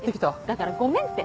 だからごめんって。